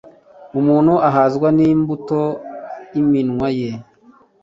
umuntu ahazwa n'imbuto y'iminwa ye